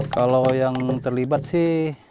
kalau yang terlibat sih